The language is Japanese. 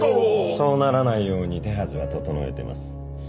そうならないように手はずは整えてます。